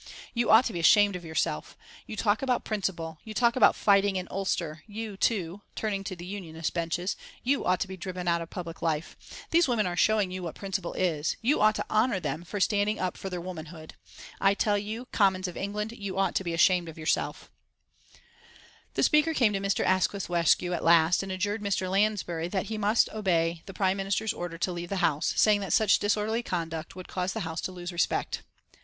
You ought to be ashamed of yourself. You talk about principle you talk about fighting in Ulster you, too " turning to the Unionist benches "You ought to be driven out of public life. These women are showing you what principle is. You ought to honour them for standing up for their womanhood. I tell you, Commons of England, you ought to be ashamed of yourselves." The Speaker came to Mr. Asquith's rescue at last and adjured Mr. Lansbury that he must obey the Prime Minister's order to leave the House, saying that such disorderly conduct would cause the House to lose respect.